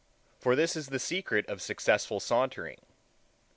For this is the secret of successful sauntering.